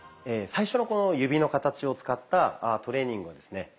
最初のこの指の形を使ったトレーニングはですね